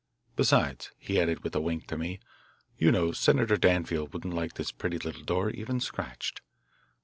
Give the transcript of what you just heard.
Besides," he added with a wink to me, "you know, Senator Danfield wouldn't like this pretty little door even scratched.